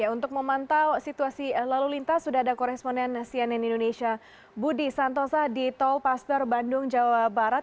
untuk memantau situasi lalu lintas sudah ada koresponen cnn indonesia budi santosa di tol paster bandung jawa barat